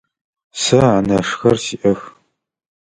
Сэ анэшхэр сиӏэх.